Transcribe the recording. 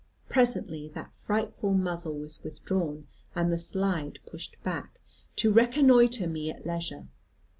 Presently that frightful muzzle was withdrawn, and the slide pushed back, to reconnoitre me at leisure.